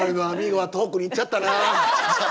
ゴは遠くに行っちゃったなあ。